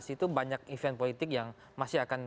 situ banyak event politik yang masih akan